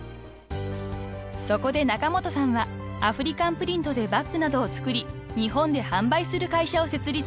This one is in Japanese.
［そこで仲本さんはアフリカンプリントでバッグなどを作り日本で販売する会社を設立］